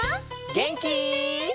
げんき？